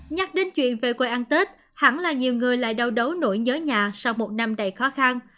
nhắc đến chuyện về quê ăn tết hẳn là nhiều người lại đau đấu nhớ nhà sau một năm đầy khó khăn